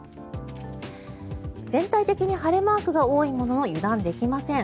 全体的に晴れマークが多いものの油断できません。